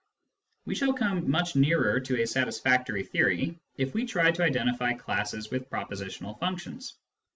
We shall come much nearer to a satisfactory theory, if we try to identify classes with propositional functions.